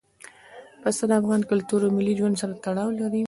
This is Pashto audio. پسه د افغان کلتور او ملي ژوند سره تړاو لري.